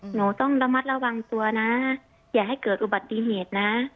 หนูต้องระมัดระวังตัวนะอย่าให้เกิดอุบัติเหตุนะ